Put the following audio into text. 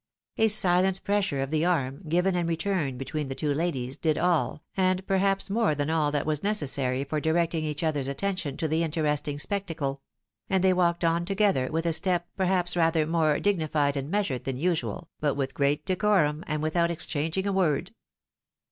A silent pressure of the arm, given and returned between the two ladies, did all, and perhaps more than all that was necessary for directing each other's attention to the interesting spectacle; and they walked on together with a step, perhaps rather more digni fied and measured than usual, but with great decorum, and without exchanging a word.